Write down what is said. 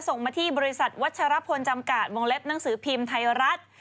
ส่งมาที่บริษัทวัชรพลจำกัดวงเล็บหนังสือพิมพ์ไทยรัฐ